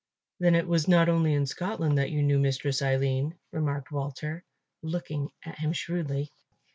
"Then it was not only in Scotland that you knew Mistress Aline," remarked Walter, looking at him shrewdly.